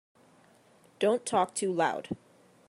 Don't talk too loud.